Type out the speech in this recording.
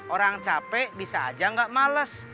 orang capek bisa aja nggak males